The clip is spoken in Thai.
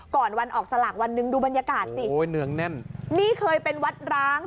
ก่อนวันออกสลากวันหนึ่งดูบรรยากาศสิโอ้ยเนืองแน่นนี่เคยเป็นวัดร้าง